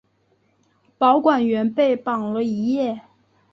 保管员被绑了一夜。